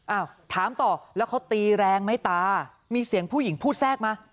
อ้าวถามต่อแล้วเขาตีแรงไหมตามีเสียงผู้หญิงพูดแทรกมา